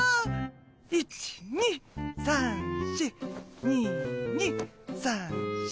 １２３４２２３４。